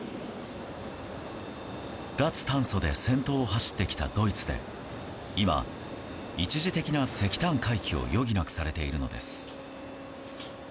脱炭素で先頭を走ってきたドイツで、今一時的な石炭回帰を余儀なくされているのです。